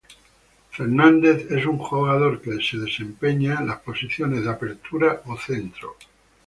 Fernández es un jugador que se desempeña en las posiciones de Apertura o centro.